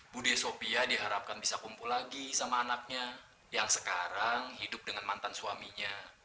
budi sopia diharapkan bisa kumpul lagi sama anaknya yang sekarang hidup dengan mantan suaminya